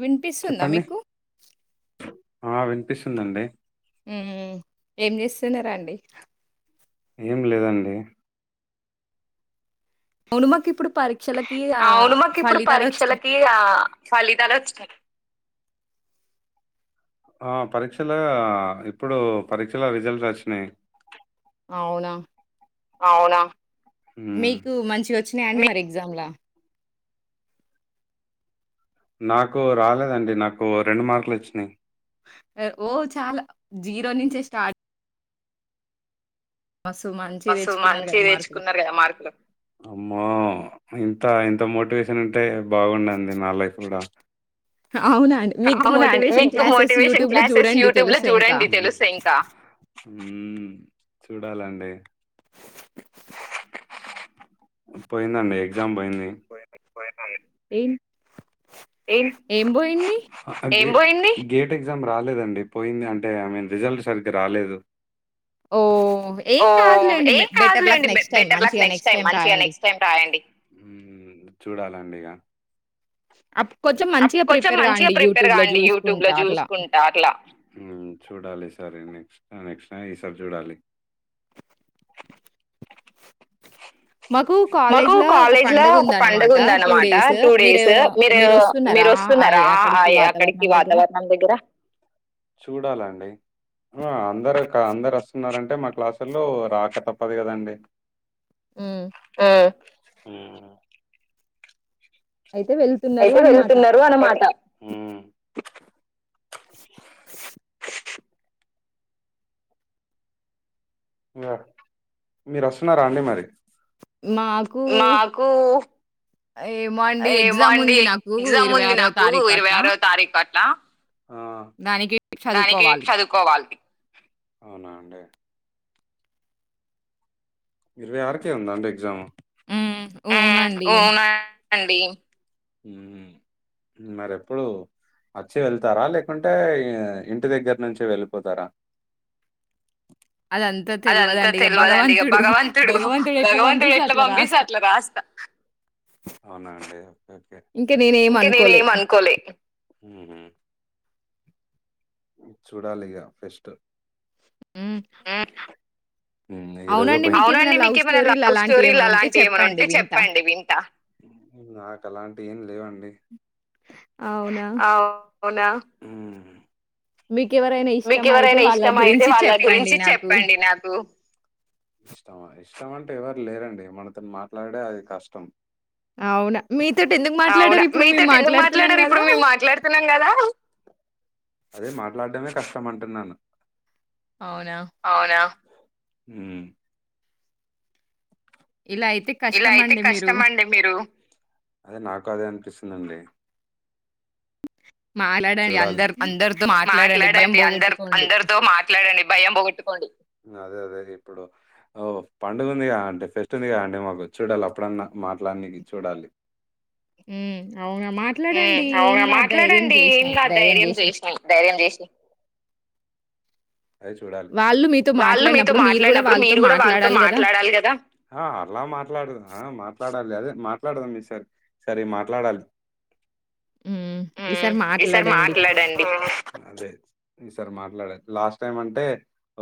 వినిపిస్తుందా మీకు ఆ వినిపిస్తుందండి ఉమ్ ఏం చేస్తున్నారండి ఏం లేదండి అవును మాకు ఇప్పుడు పరీక్షలక్ అవును మాకు ఇప్పుడు పరీక్షలకి ఆ ఫలితాలు వచ్చినాయి ఆ పరీక్షలా అ ఇప్పుడు పరీక్షల రిజల్ట్స్ వచ్చినాయి అవునా అవునా మీకు మంచిగ ఒచ్చినాయా అండి మీ మరి ఎగ్జామ్లా నాకు రాలేదండి నాకు రెండు మార్కులు ఒచ్చినాయి ఓ చాలా జీరో నుంచే స్టార్ట్ మస్తు మంచియి మస్త్ తెచ్చుకున్నారు కదా! మంచిగ మా తెచ్చుకున్నరు కదా మార్కులు ఇంత ఇంత మోటివేషన్ ఉంటే బాగుండంది నా లైఫ్ గూడా అవునా అండి. మీకు కావాలా అండి మోటివేషన్ మీకు క్లాసెస్ మోటివేషన్ యూట్యూబ్‌లో క్లాసెస్ చూడండి యూట్యూబ్ లో తెలుస్తాయి ఇంకా. చూడండి తెలుస్తయ్ ఇంకా ఉమ్ చూడాలండి పోయిందండి ఎ పోయింది ఏన్ ఏం ఏం పోయింది గేట్ ఎగ్జామ్ రాలేదండి పోయింది అంటే ఐ మీన్ రిజల్ట్ సరిగ్గ రాలేదు ఓ ఓ ఏం కాదులేండి బె టైమ్ బెటర్ లక్ మంచిగా నెక్స్ట్ టైమ్ మంచిగ రాయండి. నెక్స్ట్ టైమ్ రాయండి మ్ చూడాలండి ఇగ అప్ కొంచెం అప్ మంచిగా కొంచెం ప్రిపేర్ మంచిగా కాండి ప్రిపేర్ యూట్యూబ్‌లో గాండి యూట్యూబ్ లో చూసుకుంటా అట్లా. జూసుకుంటా అట్ల చూడాలి ఈసారి నెక్స్ట్ అహ్ నేక్సటైం ఈసార్ చూడాలి మాకు మాకు కాలేజ్‌లో ఒక కాలేజ్ లా ఒక పండగ పండుగుందనమాట ఉందనమాట డేస్. టూ మీరు డేస్ మీరు దెవొ మీరొస్తున్నారా? మీరు ఆహ్, ఒస్తున్నారా అ అక్కడికి అయి అక్కడికి వాతావరణం వాతావరణం దగ్గర చూడాలండి అహ్ అందరక అందరు ఒస్ తున్నారంటే మా క్లాసొల్లో రాక తప్పదు గదండి హ్మ్. అహ ఉమ్ అయితే వెళ్తున్నారు అయితే అనమాట. ఓకే. వెళ్తున్నరు అనమాట ఇంగ మీరు వొస్తున్నారా అండి మరి మాకు మాకు ఏమో అండి ఏమో అండి ఎగ్జాముంది నాకు ఎగ్జామ్ ఉంది నాకు తారీఖు ఇరవై అట్లా. ఆరోవ తారీఖు అట్ ట్ట దానికి దానికి చదువుకోవాలి. సదువుకోవాలి అవునా అండి ఇరవై ఆరుకే ఉంద అండి ఎగ్జామ్ ఉమ్ వొవునండి మరెప్పుడు అచ్చి వెళ్తారా లేకుంటే ఈ ఇంటి దగ్గర నుంచె వెళ్ళిపోతారా అదంతా అదంతా తెలవదండి ఇగ తెల్వదండీ ఇగ భగవంతుడు. భగవంతుడు ఎట్లా భగవంతుడు పంపిస్తే ఎట్లా అట్లా రాసి పంపిస్తే అట్లా రాస్త ఇంక ఇంక నేన్ నేనేమనుకోలే. ఎమ్ అనుకోలే ఉహు చూడాలిగ ఫెస్ట్ ఉమ్ అవునండి లవ్ మీకేమైనా స్టోరీలు లవ్ స్టోరీలు అలాంటియేమైనా ఉంటే అలాంటివి ఏమైనా చెప్పండి ఉంటే వింటా. చెప్పండి వింటా నాకు అలాంటి ఏం లేవండి అవునా అవునా మీకెవరైనా మీకు ఇష్టమైతే ఎవరైనా వాళ్ళ ఇష్టం అయితే గురించి వాళ్ళ చెప్పండి గురించి నాకు. చెప్పండి నాకు ఇష్టమా ఇష్టం అంటే ఎవరు లేరండి మనతోన్ మాట్లాడుడే అది కష్టం అవునా! మీతోటి ఎందుకు మాట్లాడరు? అవునా ఇప్పుడు మేము మీతోటి ఎందుకు మాట్లాడుతున్నాం మాట్లాడరు ఇప్పుడు గదా! మేము మాట్లాడుతున్నాం గదా అదే మాట్లాడ్డమే కష్టం అంటున్నాను అవునా ఉమ్ ఇలా అయితే ఇలా అయితే కష్టమండి మీరు. కష్టమ్ అండి మీరు అదే నాకు అదే అనిపిస్తుంది అండి మాట్లాడండి అందరు అందరితో భయం మాట్లాడండి అందరు పోగొట్టుకోండి. అందరితో మాట్లాడండి భయం పొగట్టుకోండి అదే అదే ఇప్పుడు పండుగ ఉంది గా అంటే ఫెస్ట్ ఉంది కా అండి మాకు చూడాలి అప్పుడన్నా మాట్లానికి చూడాలి మ్ మ్ అవునా మాట్లాడండి ఎం చేసినా. గాద్ ధైర్యం చేసి చేస్నా ధైర్యం చేషి అదే చూడాలి వాళ్ళు మీతో వాళ్ళు మీతో మాట్లాడినప్పుడు మీరు గూడా మాట్లాడినప్పుడు వాళ్ళతో మీరు గూడ వాళ్ళతో మాట్లాడాలి గదా! మాట్లాడాలి గదా అదే మాట్లాడదాం ఈ సారి సరే మాట్లాడాలి హ్మ్. మ్ ఈసారి ఈసారి మాట్లాడండి ఈ సార్ మాట్లాడే లాస్ట్ నెక్స్ట్ టైం అంటే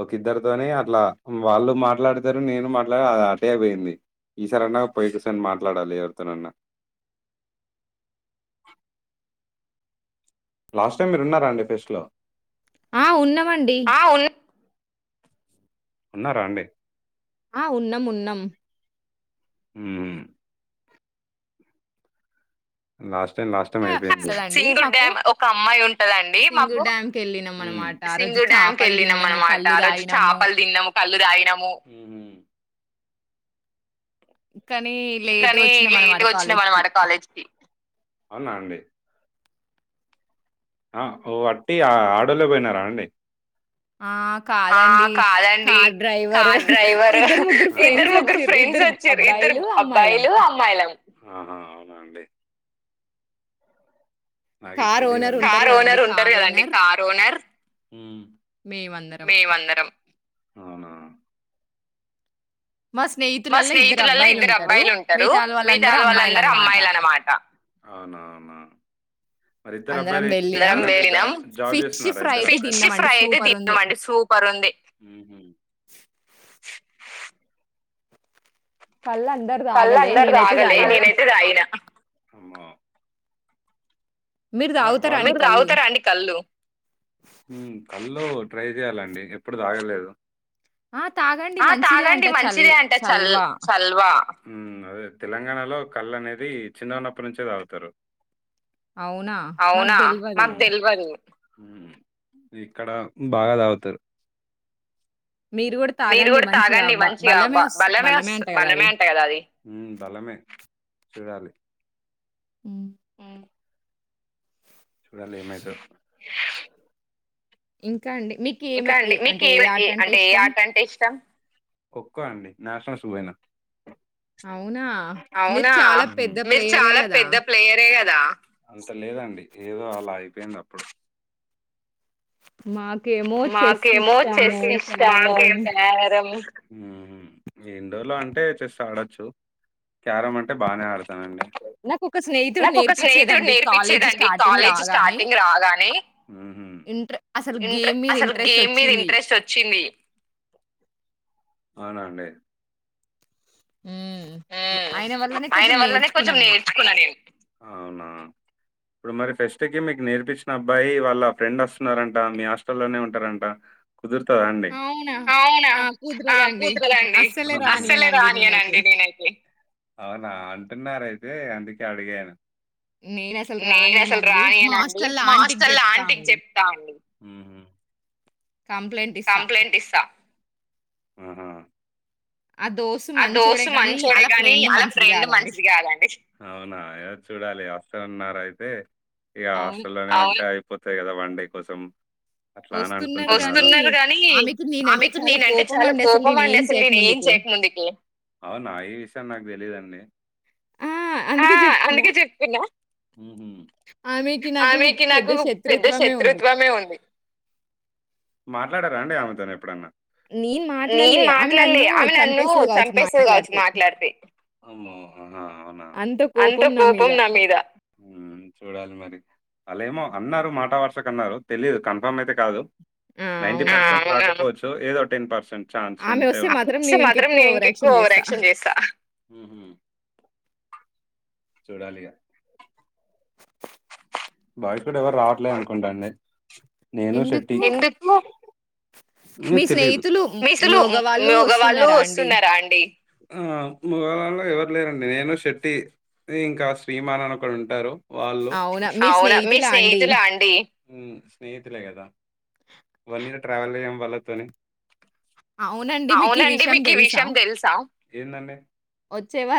ఒక ఇద్దరితోనే అట్లా వాళ్ళు మాట్లాడతరు నేను మాట్లాడ అది ఆటే పోయింది ఈసారన్నా పోయి కూసొని మాట్లాడాలి ఎవరితోనన్నా లాస్ట్ టైమ్ మీరు ఉన్నారా అండి ఫెస్ట్ లో ఆ ఉన్నమ్ అండి ఉన్నారా అండి ఆ ఉన్నం ఉన్నం హ్మ్ లాస్ ఆ! సరే అండి. మా సింధూర్ డాం ఒక అమ్మాయి ఉంటది అండి మాకు సింగూరు డ్యామ్‌కెళ్ళినామనమాట. ఆ సింద్ రోజు చుడానికి చేపలు తిన్నాము, వెళ్లినమొన్నమాట కల్లు ఆ రోజు తాగినాము. చాపలు తినం కళ్ళు దాగినము కానీ లేట్‌గా కానీ లేట్ వచ్చినామనమాట గా కాలేజ్‌కి. వచ్చినమొన్నమాట కాలేజ్ కి అవునా అండి ఆ వట్టి ఆడోళ్ళే పోయినరాండీ ఆ! ఆ కాదండి. కాదండి కార్ డ్రైవరు కార్ డ్రైవర్ ఇద్దరు, ముగ్గురు ఇద్దరు ఫ్రెండ్స్ ముగ్గురు వచ్చిర్రు. ఫ్రెండ్స్ ఇద్దరు ఒ చ్చిరు ఇద్దరు అబ్బాయిలు, అమ్మాయిలు. అబ్బాయిలు అమ్మాయిలు నాకేట్ కార్ ఓనర్ తెలీడండి ఉంటారు కార్ గదండీ! ఓనర్ ఉంటారు కారు కదండి కార్ ఓనర్ మేమందరం అవునా మా మా స్నేహితులల్లో ఇద్దరు స్నేహితులల్ల ఇద్దరు అబ్బాయిలుంటారు. అబ్బాయిలుంటరూ మిగతాలు వాళ్ళందరూ మితావాలంతా అమ్మాయిలనమాట. అమ్మాయిలన్మాట అవునా అవునా మరి ఇద్దరు అందరం అబ్బాయిలు వెళ్ళినాం. జాబ్ ఫిష్ చేస్తున్నారా ఫ్రై అయితే ఫిష్ తిన్నామండి. ఫ్రై అయితే సూపరుంది. తిన్నామండి సూపర్ ఉంది ఉహు కళ్ళు అందరు తాగలే. కళ్ళందరు నేనైతే తాగలే తాగిన. నేనైతే తాగిన మీరు తాగుతారా అండి మీరు కళ్ళు? తాగుతారాండి కళ్ళు ట్రై చేయాలండి ఎప్పుడు తాగలేదు ఆ! తాగండి ఆ మంచిదే అంట తాగండి చల్ మంచిదే అంట చల్ చల్వ. చల్వా హు అదే తెలంగాణలో కళ్ళు అనేది చిన్నగున్నప్పట్నించే తాగుతారు అవునా? మాకు అవునా దెల్వదు. మాకు తెల్వదు ఇక్కడ బాగా తాగుతరు మీరు గూడా మీరు తాగండి కూడా మంచిగా. తాగండి బ మంచిగా బలమే బ వస్ బలమే వొస్స అంట గదా బలమే అది. అంట గదా అది బలమే చూడాలి ఉమ్మ్ చూడాలి ఏమైతదో ఇంకా అండి మీకేమ ఇక ఏ అండి అంటే ఏ మీకేం టే ఆటంటే అంటే ఏ ఆట అంటే ఇష్టం కోకో అండి నాషనల్స్ కు పోయిన అవునా? మీరు అవునా చాలా పెద్ద మీరు ప్లేయరే చాలా గదా! పెద్ద ప్లేయరే కదా అంత లేదండి ఏదో అలా అయిపోయింది అప్పుడు మాకేమో చెస్ మాకేమో ఇష్టము. చెస్ నాకేం ఇష్టం క్యారమ్ క కారమ్స్ ఇండోర్ లో అంటే చెస్ ఆడొచ్చు క్యారం అంటే బానే ఆడతానండి నాకొక స్నేహితుడు నాకు ఒక స్నేహితుడు నేర్పించేదండి. కాలేజీ నేర్పించిర్రండి స్టార్టింగ్ కాలేజ్ స్టా స్టార్టింగ్ రాగానే ఇంట్రె అసల్ ఇంట్రె అసలు గేమ్ మీద ఇంట్రెస్ట్ వచ్చింది అవునాండి హ్మ్. ఆయన వల్లనే ఆయన కొంచెం వల్లనే నేర్చుకున్నా కొంచెం నేను. నేర్చుకున్నా నేను అవునా ఇప్పుడు మరి ఫెస్ట్ కి మీకు నేర్పించిన అబ్బాయి వాళ్ళ ఫ్రెండ్ వస్తున్నారంట మీ హాస్టల్లోనే ఉంటారంటా కుదుర్తాండి అవునా? అవునా ఆ! ఆ కుదరదండి. కుద్రదండి అస్సలే అస్సలే రానియనండి. రానియ్యనండి అవునా అంటున్నారైతే అందుకే అడిగాను నేనసలు రాని నేను అస్సలు మా రానియనండి హాస్టల్‌లో మా ఆంటీకి హాస్టల్ల జెప్తా ఆంటికి అండి. చెప్తా అండి కంప్లైంట్ ఇస్సా ఆహా ఆ దోస్తు ఆ మంచోడే దోస్సు గానీ, మంచోడే ఆళ్ళ కాని ఫ్రెండ్ అలా మంచిది ఫ్రెండ్ గాదండి. మంచిది కదండీ అవునా చూడాలి న్నారా అయితే ఇగ అవును. హాస్టల్లోనేే అయిపోతాయి కదా వన్ డే కోసం అట్లాని ఒస్తున్నారు అనుకుంటున్న గానీ, వస్తున్నారు కాని ఆమెకి నేనంటే ఆమెకు చాలా నేనంటే చాలా కోపమండి అసలు కోపం అండి నేనేం అసలు నేను ఎం ముందు చేయకముందుకి. చేయకముందుకే అవునా ఈ విషయం నాకు తెలీదుండి ఆ! ఆ అందుకే జెప్తున్నా. అందుకే చెప్తున్నా ఆమెకి నాకు ఆమెకి నాకు పెద్ద శత్రుత్వమే ఉంది. శత్రుత్వమే ఉంది మాట్లాడారాండి ఆమెతో ఎప్పుడన్నా నేను నేను మాట్లాడలే. ఆమె మాట్లాల్లే నన్ను ఆమె నన్ను చంపేస్తది గావచ్చు. చంపేస్తది కావచ్చు మాట్లాడితే అమ్మో ఆహా అవునా అంత కోపం నా మీద చూడాలి మరి అళ్ళేమో అన్నారు మాట వరసకు అన్నారు తెలియదు కన్ఫామ్ అయితే కాదు ఆ! నైంటీ అవునా! పర్సంట్ అనుకోవచ్చు ఏదో టెన్ పర్సెంట్ ఆమె ఒస్తే అమ్మే వస్తే మాత్రం ఇంకెక్కువ నేను ఓవర్ ఇంకా యాక్షన్. ఎక్కువ ఓవరాక్షన్ చేస్తా చూడాలిగా బావి కూడా ఎవరు రావట్లే అనుకుంటాండి నేను శెట్టి ఎందుకు? ఏమో మీ తెలీదు స్నేహితులు మ్ మీసులు మగవాళ్ళు మగవాళ్ళు ఒస్తున్నారా అండి? వస్తున్నారా అండి లేరండి నేను శెట్టి ఇంకా శ్రీమాన్ అని కూడా ఒకడుంటాడు వార్ అవునా మీ స్నేహితులా అండి వన్ ఇయర్ ట్రావెల్ అయ్యాం వాళ్ళతోని అవునండి. మీకీ అవునండి విషయం మీకు ఈ దెలుసా? విషయం తెలుసా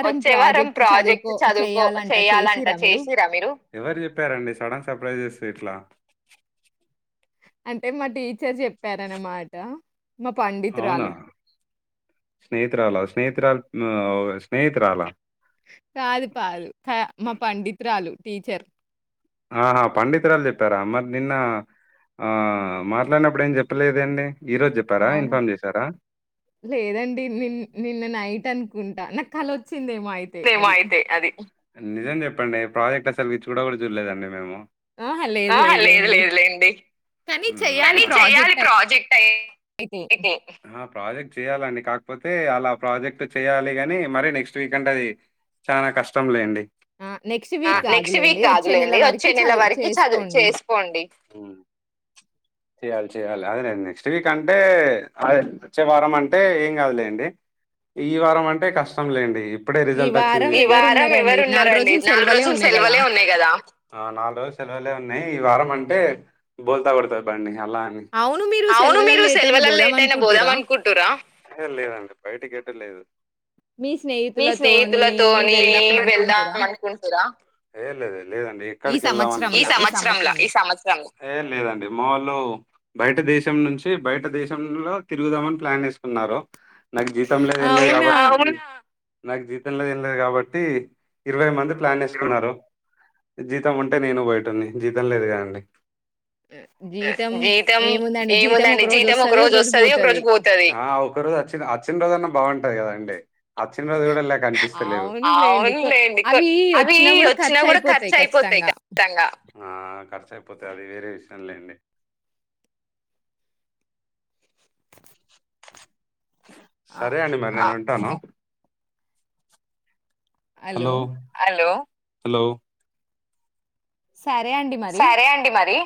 వచ్చే వారం ప్రాజెక్ట్ ప్రాజెక్ట్ చదువుకో చదువుకో చేయాలంట. చేయాలంట చేసిర్రా చేసిరా మీరు వార్ చెప్పారండి సడన్ సర్ప్రైజెస్ స్ ఇట్లా అంటే మా టీచర్ చెప్పారన్నమాట అవునా స్నేహితురాల స్నేహితురా ఒ స్నేహితురాల కాదు కాదు మా పండితురాలు టీచర్ ఆహా పండితురాలు చెప్పారా మరి నిన్న ఆ మాట్లాడినప్పుడు ఏం చెప్పలేదెండి అవును లేదండి నిన్న నిన్న నైట్ అంత కుంట నాకు కళ వచ్చి నిజం చెప్పండి ప్రాజెక్ట్ అసలు చుడా కూడా చూడలేదండి మేము ఆహా లేదు లేదు లేండి కానీ చెయ్యాలి కానీ ప్రాజెక్ట్ చెయాలి ప్రాజెక్ట్ అయితే. ఐతే ప్రాజెక్ట్ చేయాలండి కాకపోతే అలా ప్రాజెక్ట్ చేయాలి గాని మరి నెక్స్ట్ వీక్ ఎందుకంటే అది చానా కష్టం లేండి ఆ! నెక్స్ట్ ఆ వీక్ నెక్స్ట్ వీక్ కాదులెండి. వచ్చే నెల కాదులేండి వచ్చే వరకి నెల చదువు వరకి చదువ్ చేసుకోండి. చేసుకోండి చెయ్యాలి చెయాలి అదేలేండి నెక్స్ట్ వీక్ అంటే అదె వచ్చే వారం అంటే ఏం కాదులేండి ఈ వారం అంటే కష్టం లేండి ఈ వారం ఈ వారం ఎవరున్నారండి? ఎవరున్నారండి రోజులు నాలుగు సెలవులే రోజులు ఉన్నాయి గదా! సెలవలే ఉన్నాయి కదా నయి ఈ వారం అంటే బోల్తా కొడ్తాది బండి అలా అని అవును మీరు అవును మీరు సెలవులల్లో ఎటైనా సెల్వల్ల పోదాం ఎటైనా పోదాం అనుకుంటుర్రా? అన్కుంటురా ట్టలేదు మీస్ మీ స్నేహితులతోని అనుకుంటుర్రా వెళ్దాం అనుకుంటురా ఎ లెద్ లేదండి ఈ ఎక్కడి ఈ సంవత్సరంలా సంవత్సరం సంవత్సరంల ఈ సంవత్సరామ్లా బయట దేశం నుంచి బయట దేశంలో తిరుగుదామని ప్లాన్ వేసుకున్నారు నాకు జీతం లేదు ఏం లేదు అవునా కాబట్టి నాకు జీతం లేదు ఏం లేదు కాబట్టి ఇరవై మంది ప్లాన్ వేసుకున్నారు జీతం ఉంటే నేను బోయేటోన్ని జీతం లేదు కాదండి జీతం ఏముందండి జీతం ఒక రోజు వస్తది ఒక రోజు పోతది అచ్చిన అచ్చిన రోజు అన్నా బాగుంటాది కదాండి అచ్చిన రోజు కూడా లే అవునులేండి అవి వచ్చినా కూడా ఖర్చు అయిపోతాయి ఖచ్చితంగా ఆ ఖర్చు అయిపోతది అది వేరే విషయం లేండి ఆ, సరే అండి మరి నేను వుంటాను హలో హలో సరే అండి మరి సరే అండి మరి